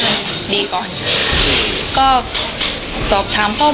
สวัสดีครับทุกคน